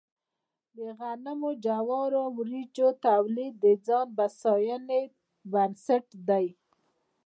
د غنمو، جوارو او وريجو تولید د ځان بسیاینې بنسټ دی.